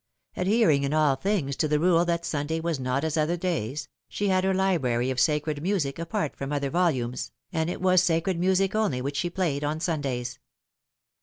Adhering in all things to the rule that Sunday was not as other days, she had her library of sacred music apart from other volumes, and it was sacred music only which she played on Sundays.